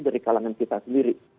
dari kalangan kita sendiri